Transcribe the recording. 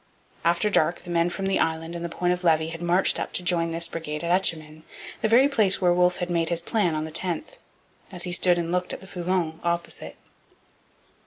After dark the men from the island and the Point of Levy had marched up to join this brigade at Etchemin, the very place where Wolfe had made his plan on the 10th, as he stood and looked at the Foulon opposite.